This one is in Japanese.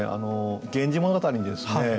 「源氏物語」にですね